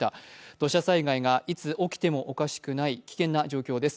土砂災害がいつ起きてもおかしくない危険な状況です。